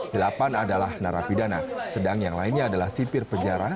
delapan adalah narapidana sedang yang lainnya adalah sipir pejarah